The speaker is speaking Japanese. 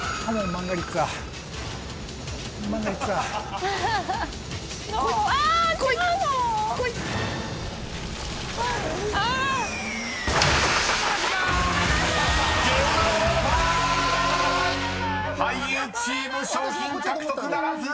マジか⁉［俳優チーム賞品獲得ならず！］